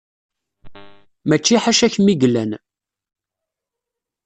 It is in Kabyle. Mačči ḥaca kemm i yellan.